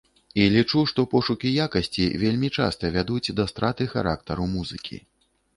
І лічу, што пошукі якасці вельмі часта вядуць да страты характару музыкі.